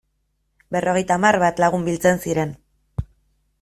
Berrogeita hamar bat lagun biltzen ziren.